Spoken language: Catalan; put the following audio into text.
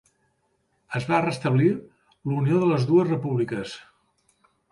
Es va restablir la unió de les dues repúbliques.